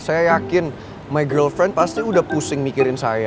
saya yakin my girlfriend pasti udah pusing mikirin saya